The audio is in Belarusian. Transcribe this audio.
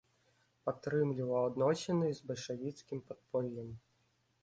Падтрымліваў адносіны з бальшавіцкім падполлем.